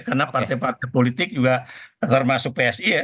karena partai partai politik juga termasuk psi ya